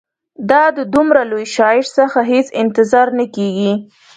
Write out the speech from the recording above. دا د دومره لوی شاعر څخه هېڅ انتظار نه کیږي.